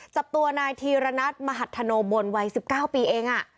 จับตัวนายธีรณัทมหัฒนโนบนวัย๑๙ปีเอง